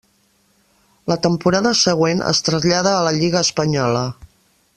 La temporada següent es trasllada a la lliga espanyola.